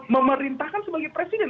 memerintahkan sebagai presiden